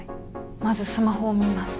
まずスマホを見ます。